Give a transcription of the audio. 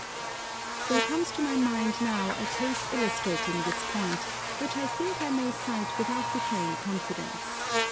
There comes to my mind now a case illustrating this point, which I think I may cite without betraying confidence.